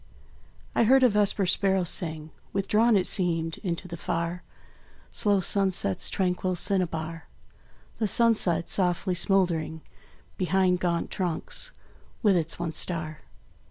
I heard a vesper sparrow sing, Withdrawn, it seemed, into the far Slow sunset's tranquil cinnabar; The sunset, softly smouldering Behind gaunt trunks, with its one star.